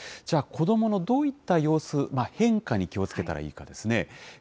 じゃあ、子どものどういった様子、変化に気をつけたらいいかですね。